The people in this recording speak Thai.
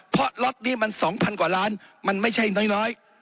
เพราะล็อตนี้มัน๒๐๐กว่าล้านมันไม่ใช่น้อย